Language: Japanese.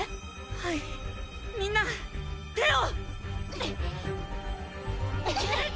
はいみんな手を！